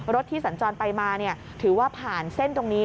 รถที่สัญจรไปมาถือว่าผ่านเส้นตรงนี้